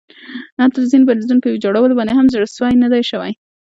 حتٰی د ځینو بندونو په ویجاړولو باندې هم زړه سوی نه ده شوی.